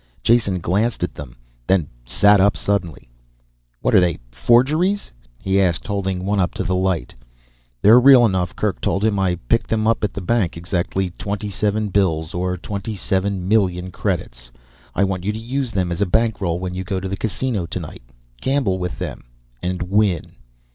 Jason glanced at them then sat up suddenly. "What are they forgeries?" he asked, holding one up to the light. "They're real enough," Kerk told him, "I picked them up at the bank. Exactly twenty seven bills or twenty seven million credits. I want you to use them as a bankroll when you go to the Casino tonight. Gamble with them and win."